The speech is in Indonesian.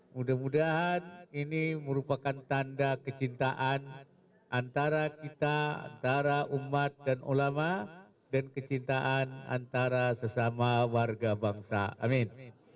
mudah mudahan ini merupakan tanda kecintaan antara kita antara umat dan ulama dan kecintaan antara sesama warga bangsa amin